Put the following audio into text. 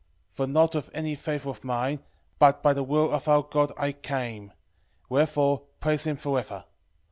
12:18 For not of any favour of mine, but by the will of our God I came; wherefore praise him for ever.